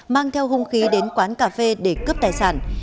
mang theo hung khí đến quán cà phê để cướp tài sản